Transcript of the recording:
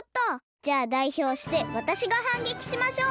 じゃあだいひょうしてわたしがはんげきしましょう！